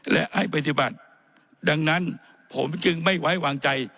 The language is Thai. และให้ปฏิบัติดังนั้นผมจึงไม่ไว้วางใจ